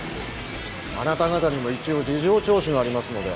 あなた方にも一応事情聴取がありますので。